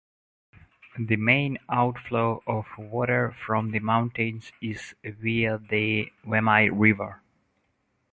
The main outflow of water from the mountains is via the Wami River.